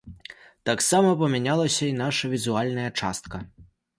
Таксама памянялася і наша візуальная частка.